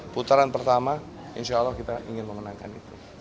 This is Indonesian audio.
putaran pertama insya allah kita ingin memenangkan itu